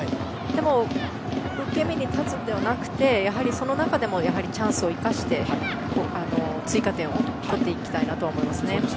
でも、受け身に立つのではなくてその中でもチャンスを生かして追加点を取っていきたいなと思います。